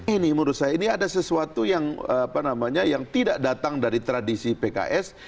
ini menurut saya ini ada sesuatu yang tidak datang dari tradisi pks